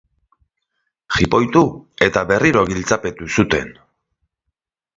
Jipoitu eta berriro giltzapetu zuten.